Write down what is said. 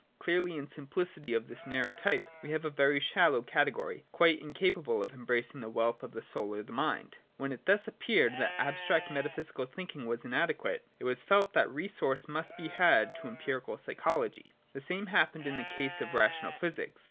Clearly, in simplicity of this narrow type we have a very shallow category, quite in capable of embracing the wealth of the soul or of the mind. When it thus appeared that abstract metaphysical thinking was inadequate, it was felt that resource must be had to empirical psychology. The same happened in the case of Rational Physics.